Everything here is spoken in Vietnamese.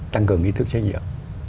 tăng cường ý thức trách nhiệm